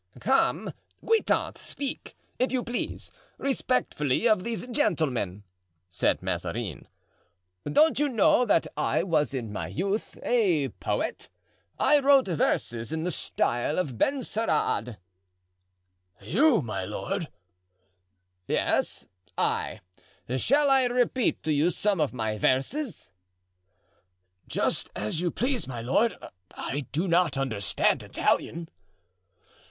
"Come, Guitant, speak, if you please, respectfully of these gentlemen," said Mazarin; "don't you know that I was in my youth a poet? I wrote verses in the style of Benserade——" "You, my lord?" "Yes, I; shall I repeat to you some of my verses?" "Just as you please, my lord. I do not understand Italian."